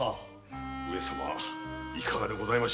上様いかがでございましょう？